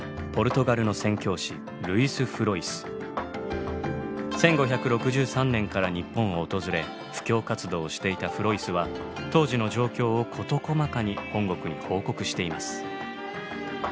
記したのは１５６３年から日本を訪れ布教活動をしていたフロイスは当時の状況を事細かに本国に報告しています。